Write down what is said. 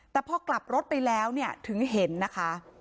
แต่พอกลับรถไปแล้วเนี่ยถึงเห็นนะคะ